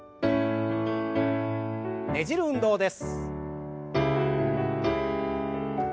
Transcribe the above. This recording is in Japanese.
ねじる運動です。